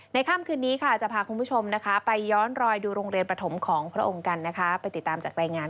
ในค่ำคืนนี้จะพาคุณผู้ชมไปย้อนรอยดูโรงเรียนประถมของพระองค์กันไปติดตามจากแรงงาน